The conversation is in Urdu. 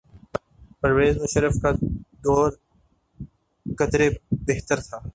پرویز مشرف کا دور قدرے بہتر تھا۔